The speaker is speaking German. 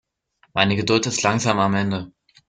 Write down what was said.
Meine Geduld ist langsam am Ende.